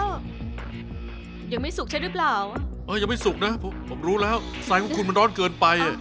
ก็ยังไม่สุกนะผมรู้แล้วพูดออกมาแล้วคุณมันร้อนเกินไป